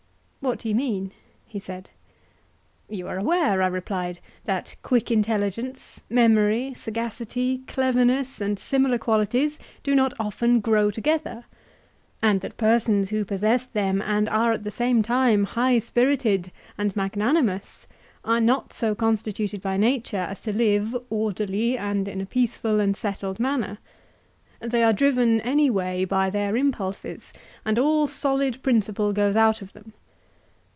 What do you mean? he said. You are aware, I replied, that quick intelligence, memory, sagacity, cleverness, and similar qualities, do not often grow together, and that persons who possess them and are at the same time high spirited and magnanimous are not so constituted by nature as to live orderly and in a peaceful and settled manner; they are driven any way by their impulses, and all solid principle goes out of them.